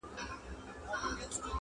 پخپله ورک یمه چي چیري به دي بیا ووینم.!